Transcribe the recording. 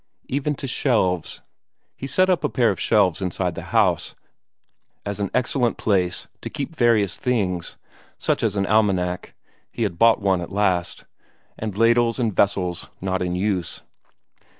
Even to shelves. He set up a pair of shelves inside the house, as an excellent place to keep various things, such as an almanac he had bought one at last and ladles and vessels not in use.